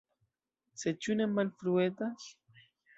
Sed ĉu ne malfruetas?